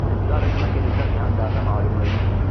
دا د ځمکې د سطحې اندازه معلوموي.